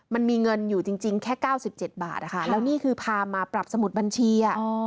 มันมีเงินอยู่จริงแค่๙๗บาทแล้วนี่คือพามาปรับสมุดบัญชี